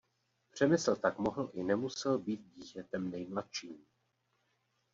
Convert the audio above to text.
Přemysl tak mohl i nemusel být dítětem nejmladším.